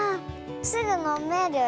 すぐのめる？